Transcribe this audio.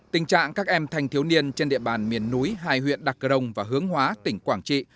tình trạng các em thanh thiếu niên trên địa bàn miền núi hai huyện đắk rồng và hướng hóa tỉnh quảng trị